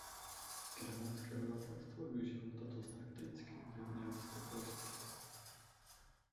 Germánské obyvatelstvo využívalo toto strategicky výhodné místo v dalších letech.